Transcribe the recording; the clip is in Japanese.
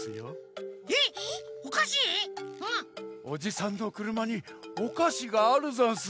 おじさんのくるまにおかしがあるざんす。